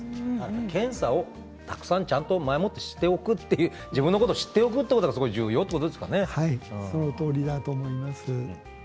検査をたくさんちゃんと前持ってしておいて自分のことを知っておくというそのとおりだと思います。